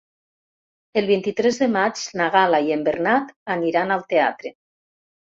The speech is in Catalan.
El vint-i-tres de maig na Gal·la i en Bernat aniran al teatre.